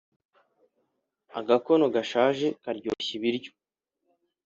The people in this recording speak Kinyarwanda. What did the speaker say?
Agakono gashaje karyoshya ibiryo